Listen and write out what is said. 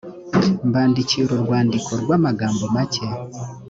mbandikiye uru rwandiko rw amagambo make